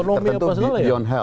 ekonomi apa sebenarnya